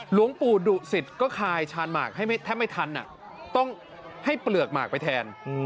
หลวงปู่ดุสิตก็คายชานหมากให้แทบไม่ทันต้องให้เปลือกหมากไปแทน